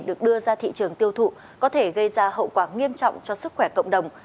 được đưa ra thị trường tiêu thụ có thể gây ra hậu quả nghiêm trọng cho sức khỏe cộng đồng